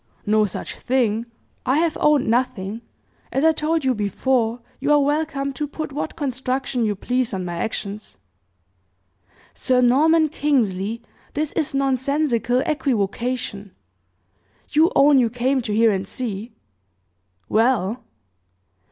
"No such thing. I have owned nothing. As I told you before, you are welcome to put what construction you please on my actions." "Sir Norman Kingsley, this is nonsensical equivocation! You own you came to hear and see?" "Well!"